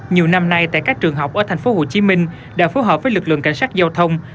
nhiều năm nay tại các trường học ở thành phố hồ chí minh đã phối hợp với lực lượng cảnh sát giao thông